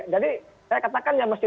jadi saya katakan yang mesti